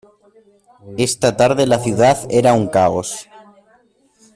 Esta tarde la ciudad era un caos.